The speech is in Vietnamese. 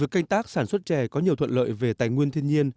việc canh tác sản xuất chè có nhiều thuận lợi về tài nguyên thiên nhiên